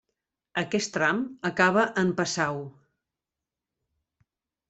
Aquest tram acaba en Passau.